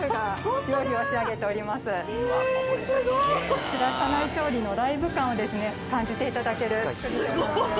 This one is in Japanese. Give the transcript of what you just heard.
こちら車内調理のライブ感を感じていただける造りとなっております。